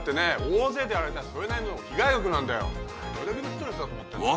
大勢でやられたらそれなりの被害額なんだよどれだけのストレスだと思ってんだよ